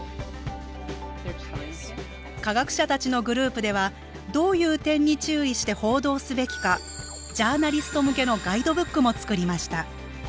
科学者たちのグループではどういう点に注意して報道すべきかジャーナリスト向けのガイドブックも作りました